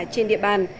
trên địa bàn